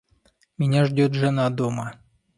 Меня ждёт жена дома.